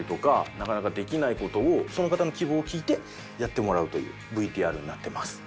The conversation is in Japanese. なかなかできない事をその方の希望を聞いてやってもらうというＶＴＲになってます。